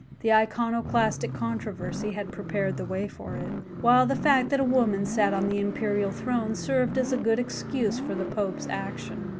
The Iconoclastic controversy had prepared the way for it, while the fact that a woman sat on the imperial throne served as a good excuse for the Pope's action.